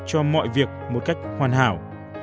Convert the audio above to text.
cho mọi việc một cách hoàn hảo